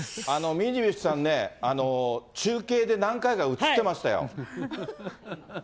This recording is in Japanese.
ミニビッシュさんね、中継で何回か映ってましたよ。